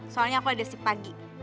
soalnya aku ada ship pagi